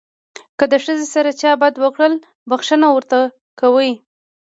که د ښځې سره چا بد وکړل بښنه ورته کوي.